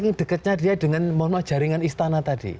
yang dekatnya dia dengan mohon maaf jaringan istana tadi